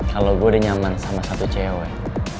kalau gue udah nyaman sama satu cewek